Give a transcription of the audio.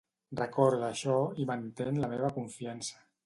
Recorda això i mantén la meva confiança.